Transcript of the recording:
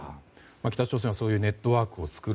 北朝鮮はそういうネットワークを作る。